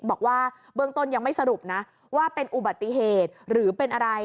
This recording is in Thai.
บอกว่าเบื้องต้นยังไม่สรุปนะว่าเป็นอุบัติเหตุหรือเป็นอะไร